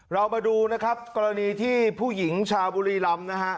เรามาดูนะครับกรณีที่ผู้หญิงชาวบุรีรำนะฮะ